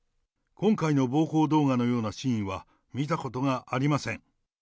今回の暴行動画のようなシーンは見たことがありません。